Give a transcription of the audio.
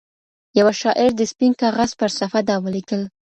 يوه شاعر د سپين كاغذ پر صفحه دا وليـكل